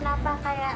lo kenapa kayak